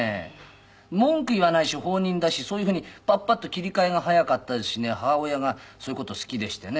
文句言わないし放任だしそういうふうにパッパッと切り替えが早かったですしね母親がそういう事好きでしてね。